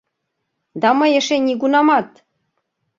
— Да мый эше нигунамат...